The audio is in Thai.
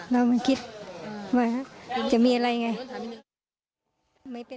แล้วมันคิดว่าจะมีอะไรอย่างนี้